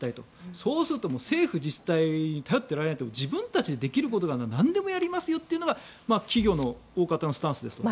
そうすると政府、自治体に頼っていられない自分たちでできることがあるならなんでもやりますよというのが企業の大方のスタンスですと。